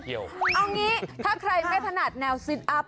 เอางี้ถ้าใครไม่ถนัดแนวซิตอัพ